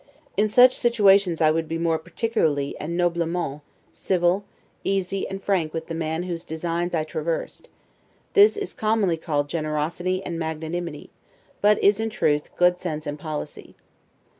In such situations I would be more particularly and 'noblement', civil, easy, and frank with the man whose designs I traversed: this is commonly called generosity and magnanimity, but is, in truth, good sense and policy.